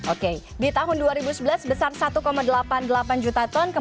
oke di tahun dua ribu sebelas sebesar satu delapan puluh delapan juta ton